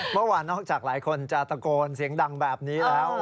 เมื่อวานนอกจากหลายคนจะตะโกนเสียงดังแบบนี้แล้ว